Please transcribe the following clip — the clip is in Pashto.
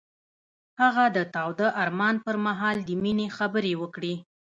هغه د تاوده آرمان پر مهال د مینې خبرې وکړې.